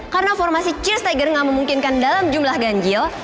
karena formasi cheers tiger gak memungkinkan dalam jumlah ganjil